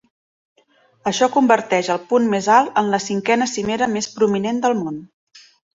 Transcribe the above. Això converteix el punt més alt en la cinquena cimera més prominent del món.